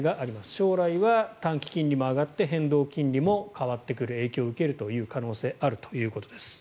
将来は短期金利も上がって変動金利も変わって影響を受けるという可能性があるということです。